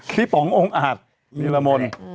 ป๋ององค์อาจนิรมนต์